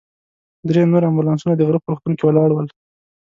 درې نور امبولانسونه د غره په روغتون کې ولاړ ول.